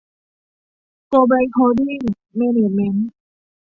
โกลเบล็ก โฮลดิ้ง แมนเนจเม้นท์